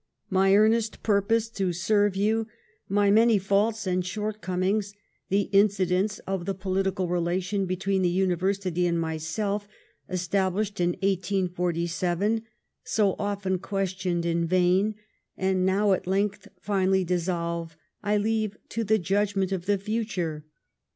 My earnest purpose to serve you, my many faults and shortcomings, the incidents of the political relation between the Uni versity and myself, established in 1847, so often questioned in vain, and now at length finally dis solved, I leave to the judgment of the future.